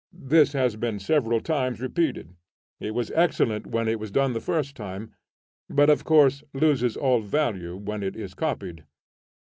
This has been several times repeated: it was excellent when it was done the first time, but of course loses all value when it is copied.